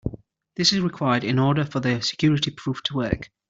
This is required in order for the security proof to work.